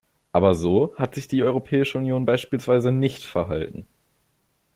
Aber so hat sich die Europäische Union beispielsweise nicht verhalten.